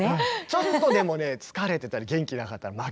ちょっとでもね疲れてたり元気なかったら確かに。